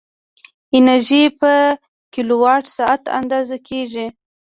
انرژي په کیلووات ساعت اندازه کېږي.